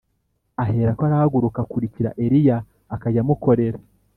Aherako arahaguruka akurikira Eliya, akajya amukorera